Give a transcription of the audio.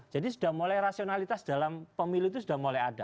jadi sudah mulai rasionalitas dalam pemilu itu sudah mulai ada